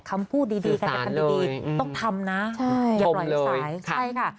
คำพูดดีดีการจะทำดีต้องทำนะใช่อย่าปล่อยสายใช่ค่ะ